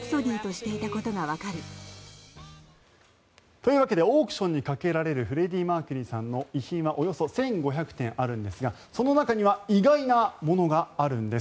というわけでオークションにかけられるフレディ・マーキュリーさんの遺品はおよそ１５００点あるんですがその中には意外なものがあるんです。